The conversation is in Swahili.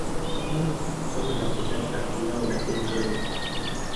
suala la kudai haki yao lakini zoezi